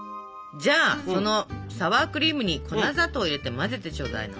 じゃあそのサワークリームに粉砂糖を入れて混ぜてちょうだいな。